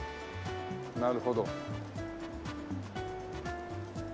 なるほど。